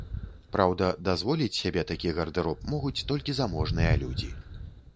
Праўда, дазволіць сябе такі гардэроб могуць толькі заможныя людзі.